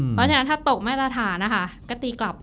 เพราะฉะนั้นถ้าตกไม่ราฐานก็ตีกลับ